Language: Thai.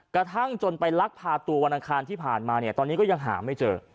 กระทั่งจนไปลักพาตัววันอังคารที่ผ่านมาเนี่ยตอนนี้ก็ยังหาไม่เจอ